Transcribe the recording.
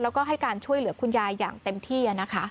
แล้วก็ให้การช่วยเหลือคุณยายอย่างเต็มที่นะคะ